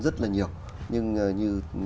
rất là nhiều nhưng như